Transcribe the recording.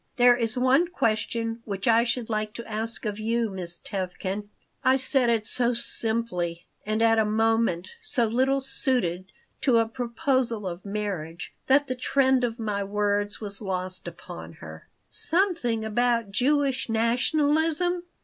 "There is one question which I should like to ask of you, Miss Tevkin." I said it so simply and at a moment so little suited to a proposal of marriage that the trend of my words was lost upon her "Something about Jewish nationalism?"